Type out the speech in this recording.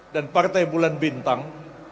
dan partai bulan bintang